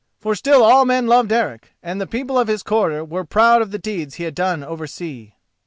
For still all men loved Eric, and the people of his quarter were proud of the deeds he had done oversea.